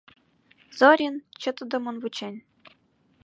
Зорин чытыдымын вучен.